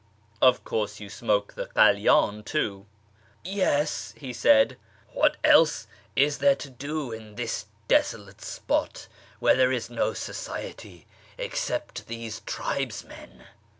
" Of course you smoke the kalydn too ?"" Yes," he said, " what else is there to do in this desolate spot where there is no society except these tribesmen